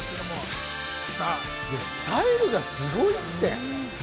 スタイルがすごいって。